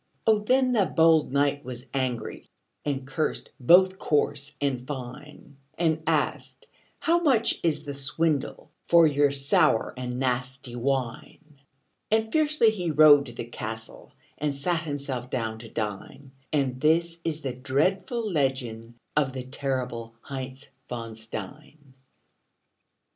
Oh, then the bold knight was angry, And cursed both coarse and fine; And asked, "How much is the swindle For your sour and nasty wine?" And fiercely he rode to the castle And sat himself down to dine; And this is the dreadful legend Of the terrible Heinz von Stein.